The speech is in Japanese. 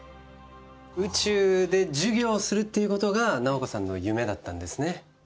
宇宙で授業するっていうことが直子さんの夢だったんですね。